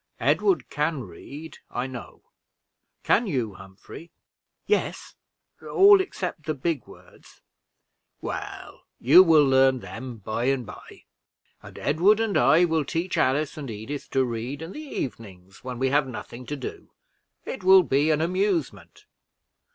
Edward can read, I know; can you, Humphrey?" "Yes, all except the big words." "Well, you will learn them by and by. And Edward and I will teach Alice and Edith to read in the evenings, when we have nothing to do. It will be an amusement.